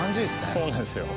そうなんですよ。